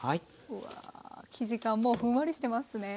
うわ生地がもうふんわりしてますね。